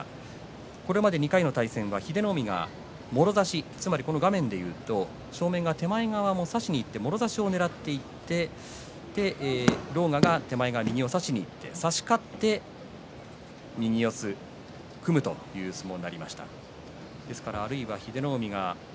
これまで２回の対戦は英乃海がもろ差し正面側、手前側を差しにいってもろ差しをねらっていって狼雅が手前側右を差しにいって差し勝って右四つという相撲になりました。